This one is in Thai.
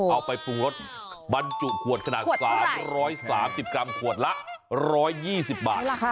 เอาไปปรุงรสบรรจุขวดขนาด๓๓๐กรัมขวดละ๑๒๐บาท